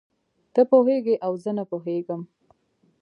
ته پوهېږې او زه نه پوهېږم.